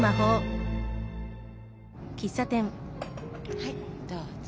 はいどうぞ。